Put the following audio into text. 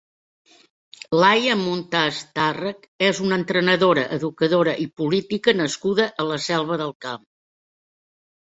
Laia Muntas Tàrrech és una entrenadora, educadora i política nascuda a la Selva del Camp.